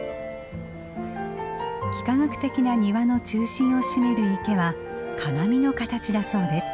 幾何学的な庭の中心を占める池は鏡の形だそうです。